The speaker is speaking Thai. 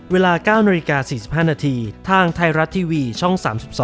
เวลา๙น๔๕นทางไทยรัฐทีวีช่อง๓๒